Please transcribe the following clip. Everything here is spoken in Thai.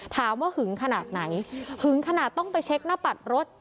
หึงขนาดไหนหึงขนาดต้องไปเช็คหน้าปัดรถ